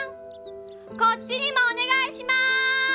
こっちにもお願いします！